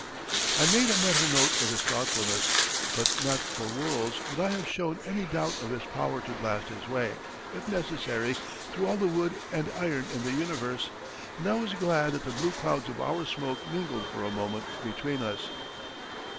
I made a mental note of his thoughtfulness; but, not for worlds would I have shown any doubt of his power to blast his way, if necessary, through all the wood and iron in the universe; and I was glad that the blue clouds of our smoke mingled for a moment between us.